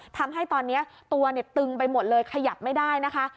ทำให้ตอนนี้ตัวเนี่ยตึงไปหมดเลยขยับไม่ได้นะคะ